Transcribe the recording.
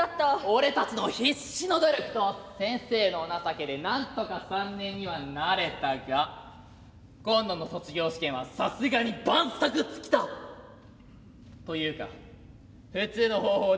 「俺たちの必死の努力と先生のお情けでなんとか３年にはなれたが今度の卒業試験はさすがに万策尽きた！というか普通の方法では合格はまず無理だ」。